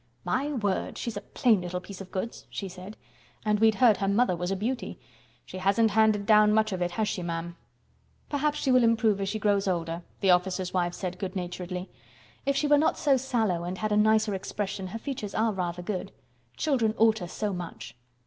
"My word! she's a plain little piece of goods!" she said. "And we'd heard that her mother was a beauty. She hasn't handed much of it down, has she, ma'am?" "Perhaps she will improve as she grows older," the officer's wife said good naturedly. "If she were not so sallow and had a nicer expression, her features are rather good. Children alter so much."